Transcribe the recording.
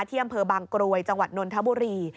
ที่อำเภอบางกรวยจังหวัดนนทบุรี